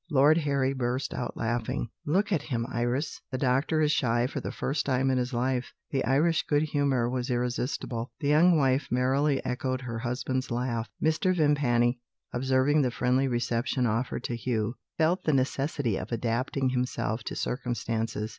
Lord Harry burst out laughing: "Look at him Iris! The doctor is shy for the first time in his life." The Irish good humour was irresistible. The young wife merrily echoed her husband's laugh. Mr. Vimpany, observing the friendly reception offered to Hugh, felt the necessity of adapting himself to circumstances.